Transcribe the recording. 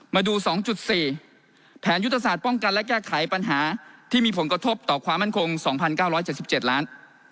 มาดู๒๔แผนยุทธศาสตร์ป้องกันและแก้ไขปัญหาที่มีผลกระทบต่อความมั่นคง๒๙๗๗ล้าน